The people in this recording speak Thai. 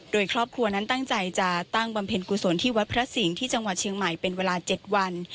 โดยครอบครัวนั้นตั้งใจจะตั้งบำเพ็ญกุศลที่วัดพระสิงห์ที่จังหวัดเชียงใหม่เป็นเวลา๗วัน